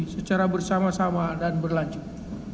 secara bersama sama dan berlanjut